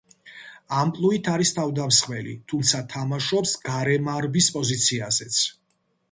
ამპლუით არის თავდამსხმელი, თუმცა თამაშობს გარემარბის პოზიციაზეც.